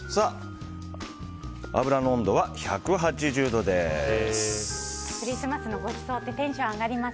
油の温度は１８０度です。